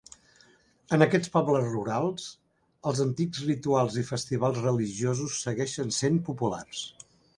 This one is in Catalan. En aquests pobles rurals, els antics rituals i festivals religiosos segueixen sent populars.